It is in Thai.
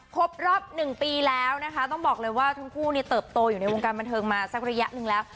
ครบรอบ๑ปีแล้วนะคะต้องบอกเลยว่าทั้งคู่เนี่ยเติบโตอยู่ในวงการบันเทิงมาสักระยะหนึ่งแล้ว